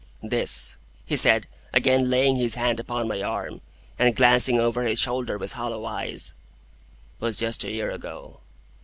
"This," he said, again laying his hand upon my arm, and glancing over his shoulder with hollow eyes, "was just a year ago.